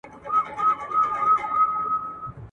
ده د تاريخ مسووليت درک کړی و.